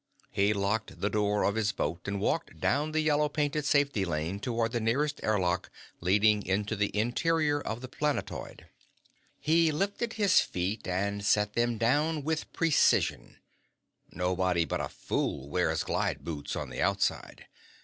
He locked the door of his boat and walked down the yellow painted safety lane toward the nearest air lock leading into the interior of the planetoid. He lifted his feet and set them down with precision nobody but a fool wears glide boots on the outside.